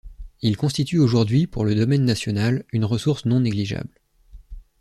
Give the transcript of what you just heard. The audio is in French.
Il constitue aujourd'hui, pour le domaine national, une ressource non négligeable.